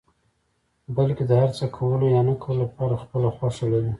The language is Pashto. بلکې د هر څه کولو يا نه کولو لپاره خپله خوښه لري.